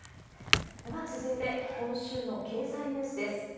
では続いて、今週の経済ニュースです。